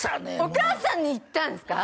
お母さんに行ったんですか？